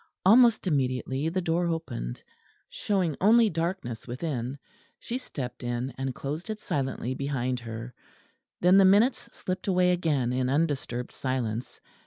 Almost immediately the door opened, showing only darkness within; she stepped in, and it closed silently behind her. Then the minutes slipped away again in undisturbed silence.